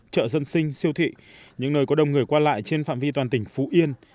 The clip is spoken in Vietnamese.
chợ dân sinh siêu thị những nơi có đông người qua lại trên phạm vi toàn tỉnh phú yên